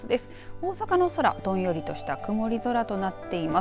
大阪の空、どんよりとした曇り空となっています。